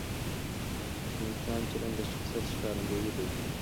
د انسان چلند د شخصیت ښکارندوی دی.